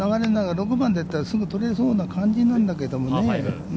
６番だったら、すぐ取れそうな感じなんだけれどね。